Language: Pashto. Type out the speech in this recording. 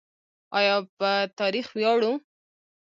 آیا په تاریخ ویاړو؟